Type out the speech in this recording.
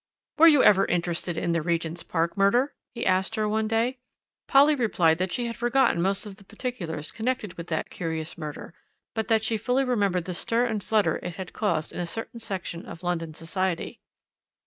"Were you ever interested in the Regent's Park murder?" he asked her one day. Polly replied that she had forgotten most of the particulars connected with that curious murder, but that she fully remembered the stir and flutter it had caused in a certain section of London Society.